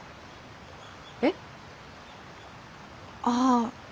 えっ？ああ。